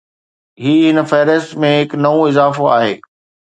هي هن فهرست ۾ هڪ نئون اضافو آهي.